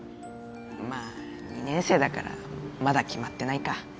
まあ２年生だからまだ決まってないか。